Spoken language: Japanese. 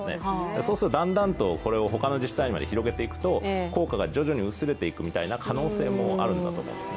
そうするとだんだんとこれを他の自治体まで広げていくと、効果が徐々に薄れていくみたいな可能性もあるんだと思うんですね。